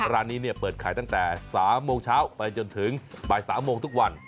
ร้านนี้เนี่ยเปิดขายตั้งแต่๓โมงเช้าไปจนถึงบ่าย๓โมงทุกวัน